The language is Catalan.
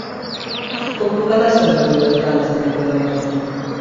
Com puc anar a Sant Jordi Desvalls dimecres a les onze?